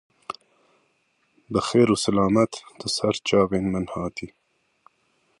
Bi xêr û silamet, tu ser çavên min hatî